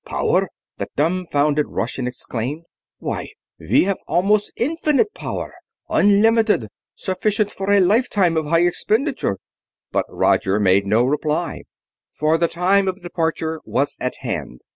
"Power!" the dumbfounded Russian exclaimed. "Why, we have almost infinite power unlimited sufficient for a lifetime of high expenditure!" But Roger made no reply, for the time of departure was at hand.